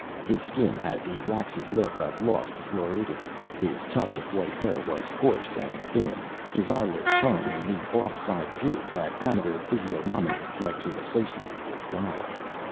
His skin had the waxy look of lost floridity, his tuft of white hair was coarse and thin, his eyelids hung in the off side droop that amateur physiognomists like to associate with guile.